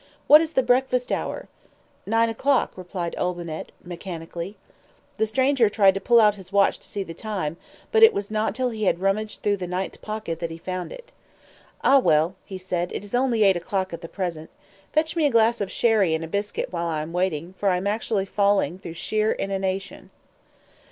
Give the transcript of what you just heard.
What is the breakfast hour?" "Nine o'clock," replied Olbinett, mechanically. The stranger tried to pull out his watch to see the time; but it was not till he had rummaged through the ninth pocket that he found it. "Ah, well," he said, "it is only eight o'clock at present. Fetch me a glass of sherry and a biscuit while I am waiting, for I am actually falling through sheer inanition."